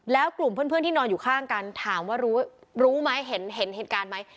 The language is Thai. แล้วกลุ่มเพื่อนที่นอนอยู่ข้างกันถามว่ารู้ไหมเห็นเหตุการณ์ไหม